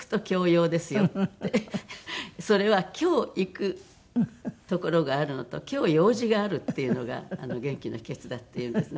それは今日行く所があるのと今日用事があるっていうのが元気の秘訣だっていうんですね。